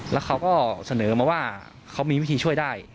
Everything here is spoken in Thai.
แล้วเขาก็เสนอมาว่าเขามีวิธีช่วยได้